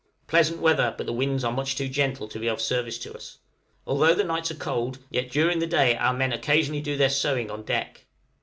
Pleasant weather, but the winds are much too gentle to be of service to us; although the nights are cold, yet during the day our men occasionally do their sewing on deck.